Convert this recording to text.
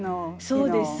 そうです。